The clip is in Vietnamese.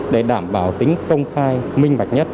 để đảm bảo tính công khai